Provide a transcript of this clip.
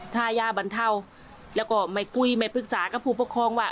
ทายาบรรเทาแล้วก็ไม่คุยไม่ปรึกษากับผู้ปกครองว่า